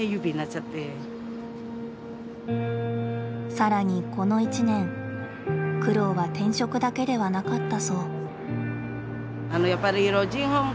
更にこの一年苦労は転職だけではなかったそう。